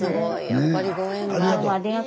やっぱりご縁が。